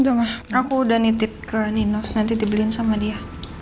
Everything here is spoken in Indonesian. aku udah nitip ke nino nanti dibeliin sama dia